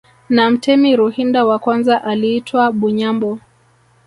Na mtemi Ruhinda wa kwanza aliitwa Bunyambo